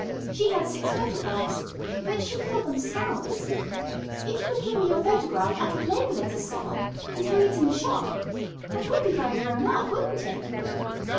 She had six photographs, but she called them scalps. If you would give me your photograph I could label it A Scalp, and hang it in the Shop. That would be very grown up, wouldn't it?"